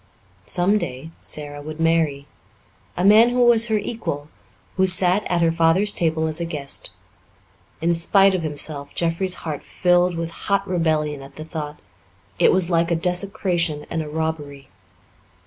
Some day Sara would marry a man who was her equal, who sat at her father's table as a guest. In spite of himself, Jeffrey's heart filled with hot rebellion at the thought; it was like a desecration and a robbery.